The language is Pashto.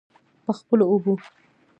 په خپلو اوبو.